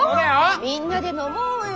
みんなで飲もうよ。